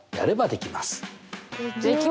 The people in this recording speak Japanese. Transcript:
できます！